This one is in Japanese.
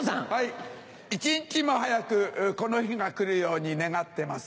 一日も早くこの日が来るように願ってます。